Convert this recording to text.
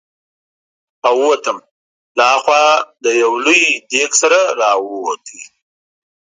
دا ژباړې مبلغانو د خپل دین د خپرولو لپاره کړې وې.